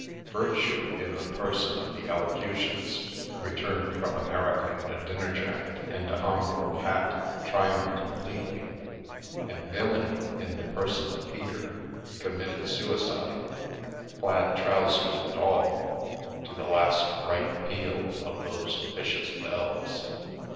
Virtue, in the person of the Elocu tionist (returned from America in a dinner jacket and a Homburg hat), triumphed completely; and villainy, in the person of Peter, committed suicide, plaid trousers and all, to the last bright peal of those officious bells.